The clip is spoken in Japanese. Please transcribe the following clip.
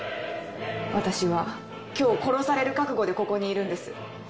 私は今日殺される覚悟でここにいるんです。